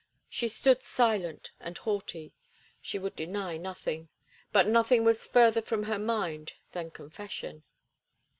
She stood silent and haughty. She would deny nothing, but nothing was further from her mind than confession.